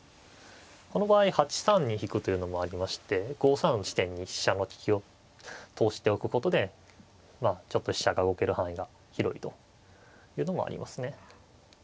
この場合８三に引くというのもありまして５三の地点に飛車の利きを通しておくことでちょっと飛車が動ける範囲が広いというのもありますね。